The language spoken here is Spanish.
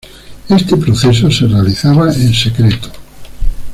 Este proceso se realizaba en secreto.